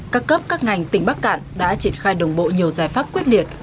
các cấp các ngành tỉnh bắc cạn đã triển khai đồng bộ nhiều giải pháp quyết liệt